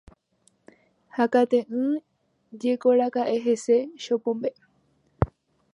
Hakate'ỹjekoraka'e hese Chopombe.